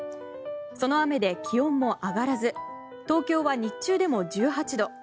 その雨で気温も上がらず東京は日中でも１８度。